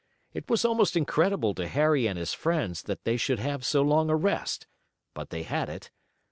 It was almost incredible to Harry and his friends that they should have so long a rest, but they had it.